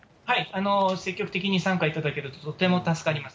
積極的に参加いただけるととっても助かります。